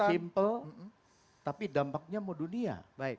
simple tapi dampaknya mau dunia